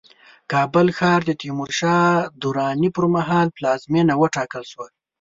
کابل ښار د تیمورشاه دراني پرمهال پلازمينه وټاکل شوه